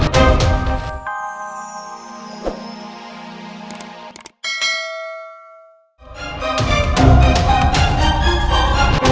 kamu gak apa apa